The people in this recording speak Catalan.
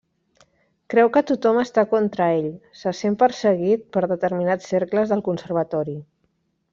Creu que tothom està contra ell, se sent perseguit per determinats cercles del Conservatori.